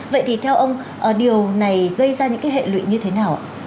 vậy thì theo ông điều này gây ra những cái hệ lụy như thế nào ạ